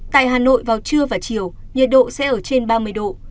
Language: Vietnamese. tại hà nội vào trưa và chiều nhiệt độ sẽ ở trên ba mươi độ